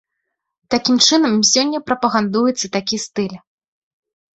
Такім чынам сёння прапагандуецца такі стыль.